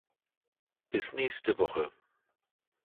Bis nächste Woche.